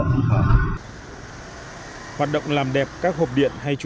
hoạt động làm đẹp các hộp điện hay trung tâm